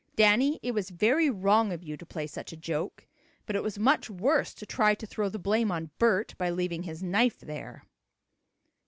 Danny, it was very wrong of you to play such a joke, but it was much worse to try to throw the blame on Bert by leaving his knife there."